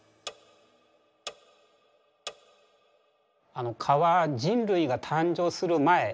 あの蚊は人類が誕生する前